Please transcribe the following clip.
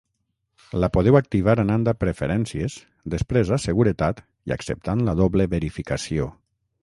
La podeu activar anant a ‘preferències’, després a ‘seguretat’ i acceptant la doble verificació.